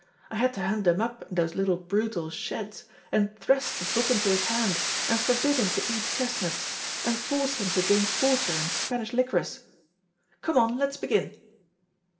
I had to hunt him up in those little brutal sheds, and thrust the book into his hand, and forbid him to eat chestnuts, and force him to drink porter and Spanish liquorice. Come on; let's begin."